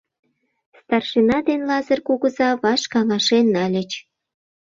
Старшина ден Лазыр кугыза ваш каҥашен нальыч.